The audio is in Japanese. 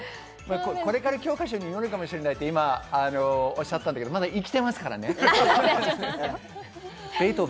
これから教科書に載るかもしれないとおっしゃってましたけど、まだ生きていますからね。